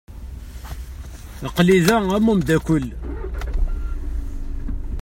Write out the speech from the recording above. Aql-i da am umdakel.